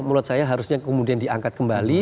menurut saya harusnya kemudian diangkat kembali